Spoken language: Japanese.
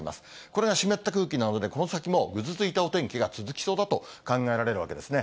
これが湿った空気なので、この先もぐずついたお天気が続きそうだと考えられるわけですね。